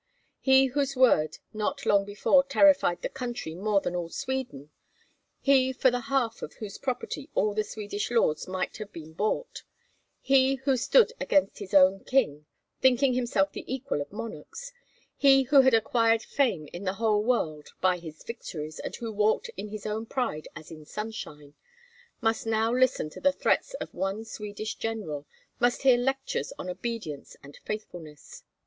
He whose word not long before terrified the country more than all Sweden; he for the half of whose property all the Swedish lords might have been bought; he who stood against his own king, thinking himself the equal of monarchs; he who had acquired fame in the whole world by his victories, and who walked in his own pride as in sunshine must now listen to the threats of one Swedish general, must hear lectures on obedience and faithfulness.